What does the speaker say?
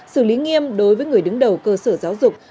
xử lý nghiêm đối với người đứng đầu cơ sở giáo dục